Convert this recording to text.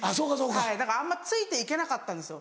だからあんまついて行けなかったんですよ。